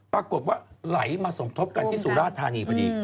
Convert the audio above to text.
ปรากฏว่าไหลมาสมทบกันที่สุราธานีพอดี